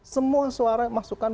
semua suara masukan